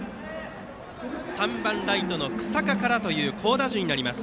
３番ライトの日下からという好打順になります。